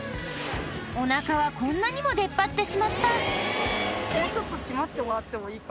おなかはこんなにも出っ張ってしまった！